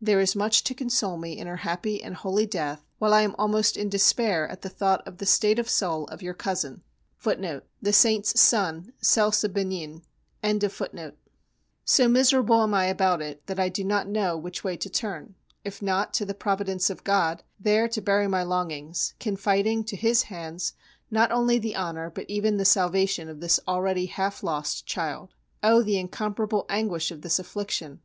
There is much to console me in her happy and holy death, while I am almost in despair at the thought of the state of soul of your cousin.[C] So miserable am I about it that I do not know which way to turn, if not to the Providence of God, there to bury my longings, confiding to His hands not only the honour but even the salvation of this already half lost child. Oh! the incomparable anguish of this affliction!